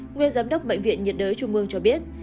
nguyên giám đốc bệnh viện nhiệt đới trung mương cho biết